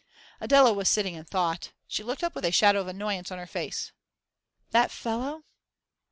Adela was sitting in thought; she looked up with a shadow of annoyance on her face. 'That fellow?